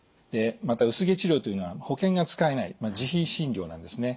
また薄毛治療というのは保険が使えない自費診療なんですね。